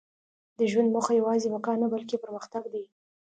• د ژوند موخه یوازې بقا نه، بلکې پرمختګ دی.